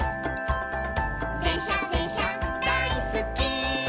「でんしゃでんしゃだいすっき」